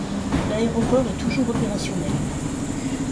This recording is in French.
L'aéroport est toujours opérationnel.